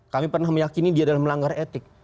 kami pernah meyakini dia adalah melanggar etik